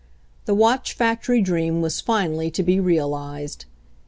The watch factory dream was finally to be realized.